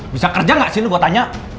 bisa kerja gak sih ini gue tanya